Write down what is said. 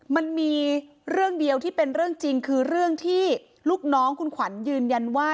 มันมีเรื่องเดียวที่เป็นเรื่องจริงคือเรื่องที่ลูกน้องคุณขวัญยืนยันว่า